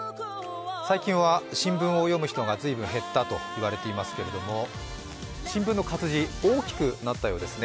最近は新聞を読む人が随分減ったと言われていますけど、新聞の活字、大きくなったようです。